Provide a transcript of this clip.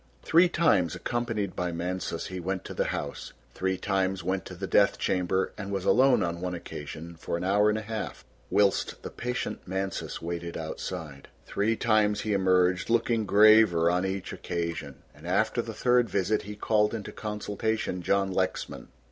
Three times, accompanied by Mansus, he went to the house, three times went to the death chamber and was alone on one occasion for an hour and a half whilst the patient Mansus waited outside. Three times he emerged looking graver on each occasion, and after the third visit he called into consultation John Lexman.